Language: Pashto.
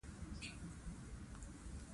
د حکمران کار څنګه شو، پایله یې څه شوه.